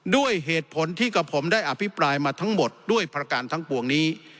ด้วยเหตุผลที่กับผมได้อภิปรายมาทั้งหมดด้วยประการทั้งปวงนี้